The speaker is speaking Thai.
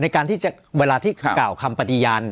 ในการที่จะเวลาที่กล่าวคำปฏิญาณ